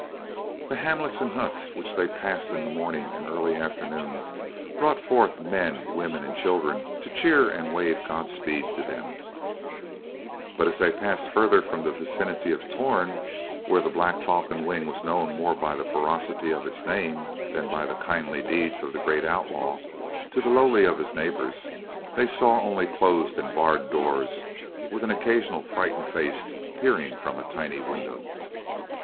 The hamlets and huts which they passed in the morning and early afternoon brought forth men, women and children to cheer and wave God speed to them; but as they passed farther from the vicinity of Torn, where the black falcon wing was known more by the ferocity of its name than by the kindly deeds of the great outlaw to the lowly of his neighborhood, they saw only closed and barred doors with an occasional frightened face peering from a tiny window.